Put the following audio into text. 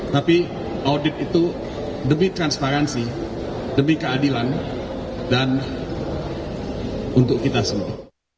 tapi audit itu demi transparansi demi keadilan dan untuk kita semua